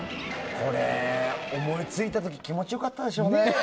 これ、思いついた時気持ちよかったでしょうね。